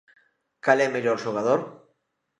Cal é mellor xogador?